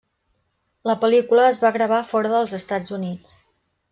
La pel·lícula es va gravar fora dels Estats Units.